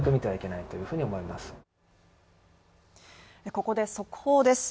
ここで速報です。